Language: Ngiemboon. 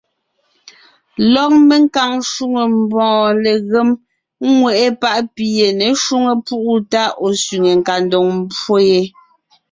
Lɔg menkaŋ shwòŋo mbɔɔ legém ŋweʼe páʼ pi ye ně shwóŋo púʼu tá ɔ̀ sẅiŋe kandoŋ pwó yé.